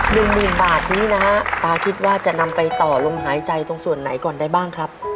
หนึ่งหมื่นบาทนี้นะฮะตาคิดว่าจะนำไปต่อลมหายใจตรงส่วนไหนก่อนได้บ้างครับ